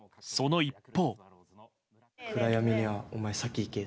その一方。